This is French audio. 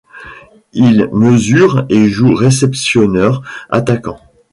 Il mesure et joue Réceptionneur-attaquant.